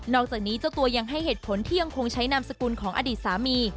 อกจากนี้เจ้าตัวยังให้เหตุผลที่ยังคงใช้นามสกุลของอดีตสามี